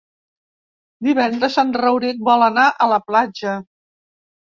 Divendres en Rauric vol anar a la platja.